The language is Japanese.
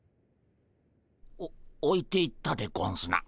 おおいていったでゴンスな。